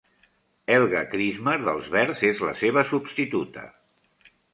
Helga Krismer, dels Verds, és la seva substituta.